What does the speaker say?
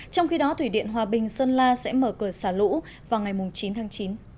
trong khi đó thủy điện hòa bình sơn la sẽ mở cửa xả lũ vào ngày chín tháng chín